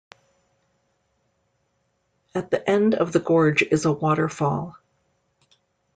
At the end of the gorge is a waterfall.